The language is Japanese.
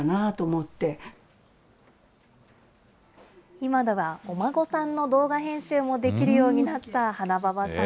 今ではお孫さんの動画編集もできるようになった花ババさん。